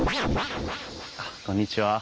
あっこんにちは。